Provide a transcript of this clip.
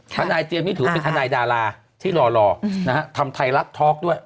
ทนายเจมส์นี่ถือว่าเป็นทนายดาราที่รอนะฮะทำไทยรัฐทอล์กด้วย